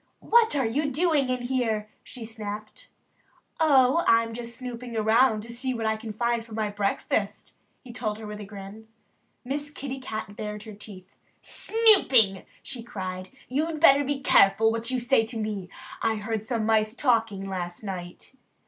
"What are you doing in here?" she snapped. "Oh, I'm just snooping around to see what I can find for my breakfast," he told her with a grin. Miss Kitty Cat bared her teeth in a snarl. "Snooping!" she cried. "You'd better be careful what you say to me! I heard some mice talking last night."